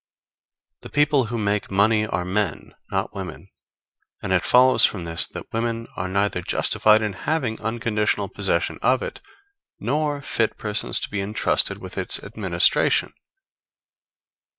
The people who make money are men, not women; and it follows from this that women are neither justified in having unconditional possession of it, nor fit persons to be entrusted with its administration.